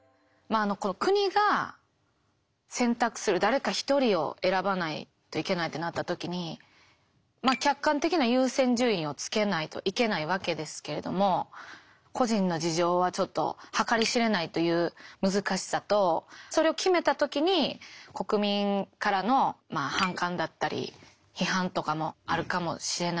国が選択する誰か１人を選ばないといけないとなった時に客観的な優先順位をつけないといけないわけですけれども個人の事情はちょっと計り知れないという難しさとそれを決めた時に国民からの反感だったり批判とかもあるかもしれない。